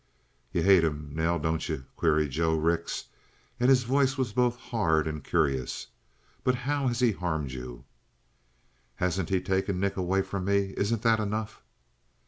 "You hate him, Nell, don't you?" queried Joe Rix, and his voice was both hard and curious. "But how has he harmed you?" "Hasn't he taken Nick away from me? Isn't that enough?"